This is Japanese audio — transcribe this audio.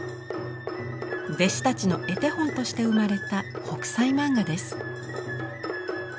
弟子たちの絵手本として生まれた「北斎漫画」です。